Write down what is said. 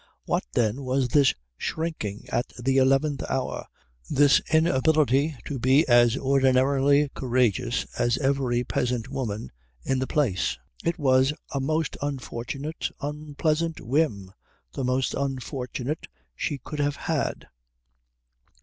What, then, was this shrinking at the eleventh hour, this inability to be as ordinarily courageous as every peasant woman in the place? It was a most unfortunate, unpleasant whim, the most unfortunate she could have had.